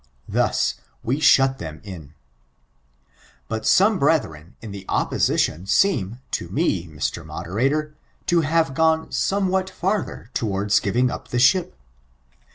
Thus, we shut them in. But some brethren in the opposition seem, to me, Mr. Moderator, to have gone somewhat ferther towards giving up the ship.